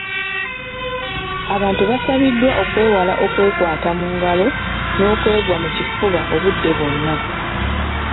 Abantu basabiddwa okwewala okwekwata mu ngalo n'okwegwa mu kifuba obudde bwonna.